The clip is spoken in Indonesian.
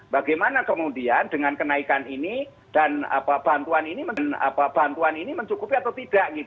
bagaimana kemudian dengan kenaikan ini dan bantuan ini mencukupi atau tidak